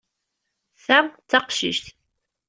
Ta d taqcict.